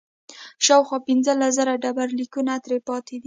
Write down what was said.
شاوخوا پنځلس زره ډبرلیکونه ترې پاتې دي